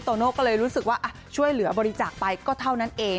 โน่ก็เลยรู้สึกว่าช่วยเหลือบริจาคไปก็เท่านั้นเอง